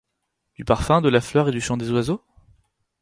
Du parfum de la fleur et du chant des oiseaux ?